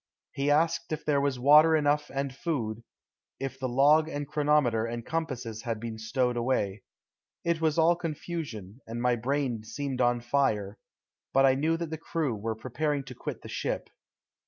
He asked if there was water enough and food, if the log and chronometer and compasses had been stowed away. It was all confusion, and my brain seemed on fire; but I knew that the crew were preparing to quit the ship.